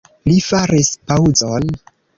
Li faris paŭzon.